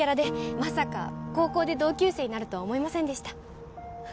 まさか高校で同級生になるとは思いませんでした